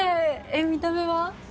見た目は？